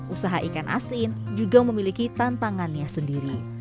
usaha ikan asin juga memiliki tantangannya sendiri